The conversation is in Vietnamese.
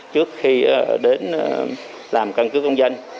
trước khi đến làm căn cước công dân